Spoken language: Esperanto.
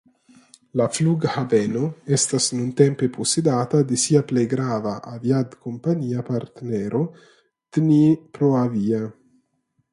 La flughaveno estas nuntempe posedata de sia plej grava aviadkompania partnero Dniproavia.